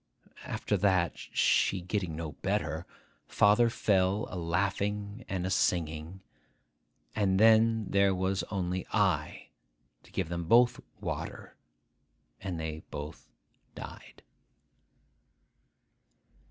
After that, she getting no better, father fell a laughing and a singing; and then there was only I to give them both water, and they both died.